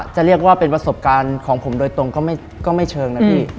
จะเรียกว่าเป็นประสบการณ์ของผมโดยตรงก็ไม่เชิงนะพี่